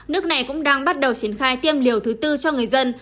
nước này cũng đang bắt đầu triển khai tiêm liều thứ tư cho người dân